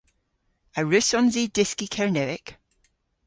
A wrussons i dyski Kernewek?